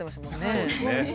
そうですね。